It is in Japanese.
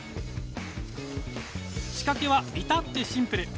仕掛けは至ってシンプル。